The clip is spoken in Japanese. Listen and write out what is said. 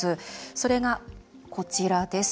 それが、こちらです。